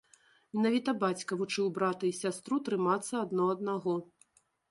Менавіта бацька вучыў брата і сястру трымацца адно аднаго.